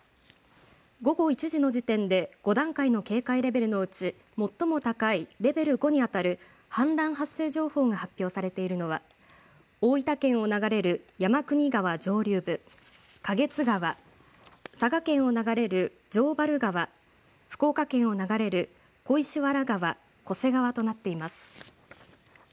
午後１時の時点で５段階の警戒レベルのうち最も高いレベル５にあたる氾濫発生情報が発表されているのは大分県を流れる山国川上流部、花月川、佐賀県を流れる城原川、福岡県を流れる小石原川、巨瀬川となっています。